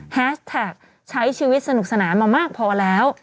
แฮชแท็กใช้ชีวิตสนุกสนานมามากพอแล้ว